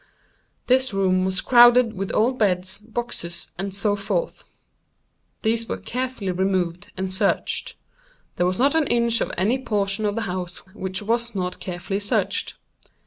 This room was crowded with old beds, boxes, and so forth. These were carefully removed and searched. There was not an inch of any portion of the house which was not carefully searched.